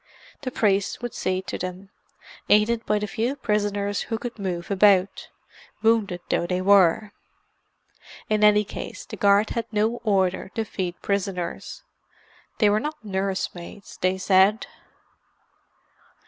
The priest would see to them, aided by the few prisoners who could move about, wounded though they were. In any case the guard had no order to feed prisoners; they were not nurse maids, they said.